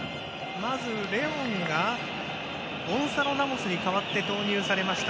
まずレオンがゴンサロ・ラモスに代わって投入されました。